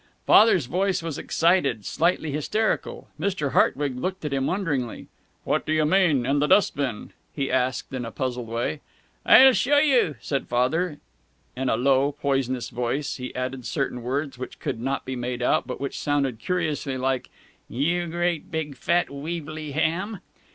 Father's voice was excited, slightly hysterical. Mr. Hartwig looked at him wonderingly. "What do you mean, 'in the dust bin'?" he asked, in a puzzled way. "I'll show you," said Father, and in a low, poisonous voice he added certain words which could not be made out, but which sounded curiously like "you great big fat weevily ham!"